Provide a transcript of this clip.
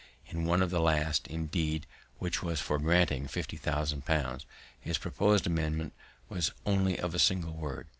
In one of the last, indeed, which was for granting fifty thousand pounds, his propos'd amendment was only of a single word.